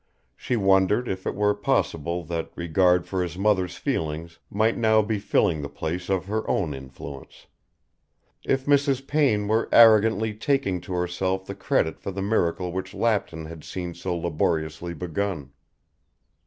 She wondered if it were possible that regard for his mother's feelings might now be filling the place of her own influence; if Mrs. Payne were arrogantly taking to herself the credit for the miracle which Lapton had seen so laboriously begun.